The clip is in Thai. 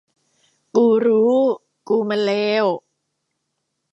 กูรู้ กูมันเลว